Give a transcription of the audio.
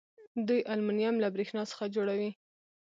دوی المونیم له بریښنا څخه جوړوي.